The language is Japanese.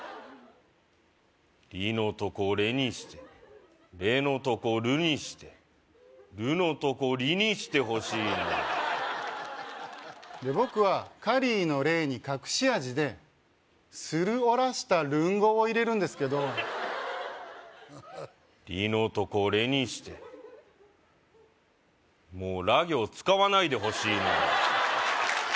「リ」のとこ「レ」にして「レ」のとこ「ル」にして「ル」のとこ「リ」にしてほしいなで僕はカリーのレーに隠し味でするおらしたルンゴを入れるんですけど「リ」のとこ「レ」にしてもうら行使わないでほしいな